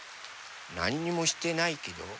なんにもしてないけど。